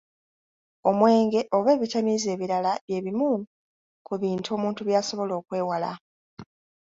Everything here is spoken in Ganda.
Omwenge oba ebitamiiza ebirala bye bimu ku bintu omuntu by’asobola okwewala.